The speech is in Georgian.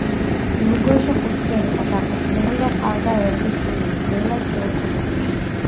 ლუგოში ხუთჯერ იყო დაქორწინებული და ჰყავდა ერთი შვილი, ბელა ჯორჯ ლუგოში.